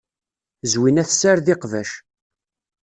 Zwina tessared iqbac.